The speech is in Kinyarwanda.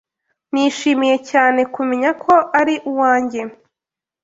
Nishimiye cyane kumenya ko ari uwanjye.